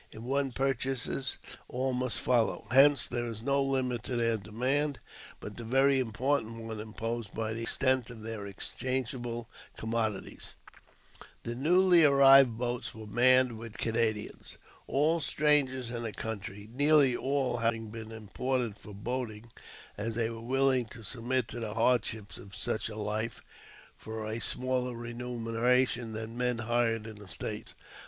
If one purchases, all must follow ; hence there is no limit to their demand but the very important one imposed by the extent of their exchangeable commodities. I 186 AUTOBIOGRAPHY OF JAMES P. BECKWOUBTH. ',a]|| The newly arrived boats were manned with Canadians strangers in the country, nearly all having been imported for iDoating, as they were willing to submit to the hardships of tsuch a life for a smaller remuneration than men hired in the States.